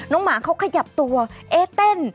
หมาเขาขยับตัวเอ๊เต้น